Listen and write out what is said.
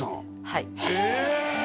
はいへえ！